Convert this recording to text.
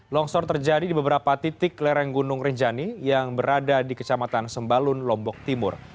longsor terjadi di beberapa titik lereng gunung rinjani yang berada di kecamatan sembalun lombok timur